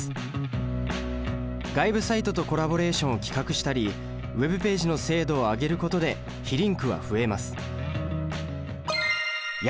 外部サイトとコラボレーションを企画したりＷｅｂページの精度を上げることで被リンクは増えます。